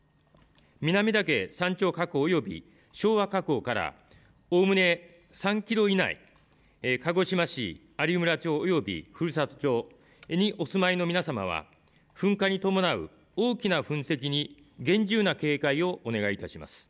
南岳山頂火口及び、昭和火口からおおむね３キロ以内、鹿児島市、有村町及び古里町にお住まいの皆様は噴火に伴う大きな噴石に厳重な警戒をお願いいたします。